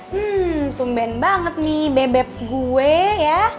hmm tumben banget nih bebek gue ya